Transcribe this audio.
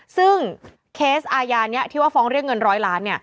ซึ่งเคสอายานี้ที่ว่าฟ้องเรียกเงินร้อยล้าน